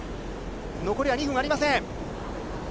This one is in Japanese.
残りは２分ありません。